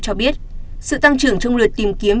cho biết sự tăng trưởng trong lượt tìm kiếm